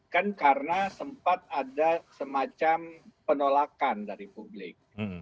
kan karena sempat ada semacam penolakan dari publik